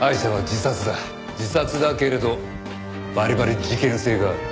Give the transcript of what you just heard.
自殺だけれどバリバリ事件性がある。